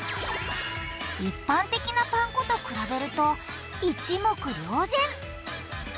一般的なパン粉と比べると一目瞭然。